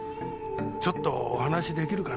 ちょっとお話し出来るかな？